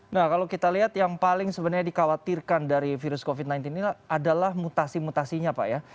nah kalau kita lihat yang paling sebenarnya dikhawatirkan dari virus covid sembilan belas ini adalah mutasi mutasinya pak ya